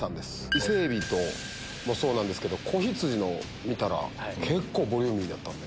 イセエビもそうなんですけど仔羊の見たら結構ボリューミーだったんで。